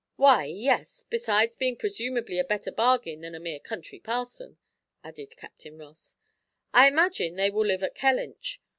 "Why, yes, besides being presumably a better bargain than a mere country parson," added Captain Ross. "I imagine they will live at Kellynch.